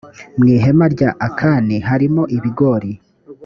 mu ihema rya akani harimo ibigori